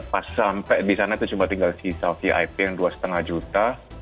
pas sampai di sana itu cuma tinggal si saufi ip yang dua lima juta